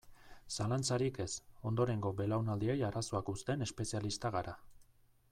Zalantzarik ez, ondorengo belaunaldiei arazoak uzten espezialistak gara.